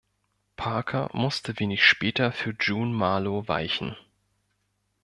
Parker musste wenig später für June Marlow weichen.